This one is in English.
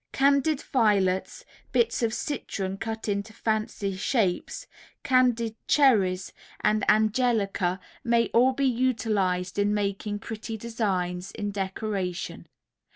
Candied violets, bits of citron cut in fancy shapes, candied cherries and angelica may all be utilized in making pretty designs in decoration.